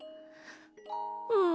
うん。